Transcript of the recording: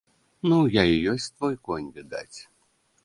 Ну, я і ёсць той конь, відаць.